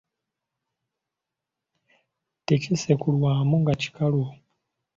Tekisekulwamu nga kikalu.